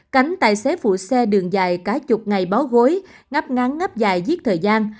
cánh tài xế phụ xe đường dài cả chục ngày báo gối ngắp ngắn ngắp dài giết thời gian